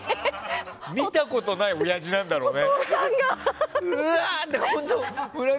見たことない親父なんだろうね。